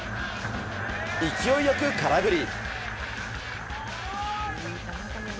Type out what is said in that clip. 勢いよく空振り。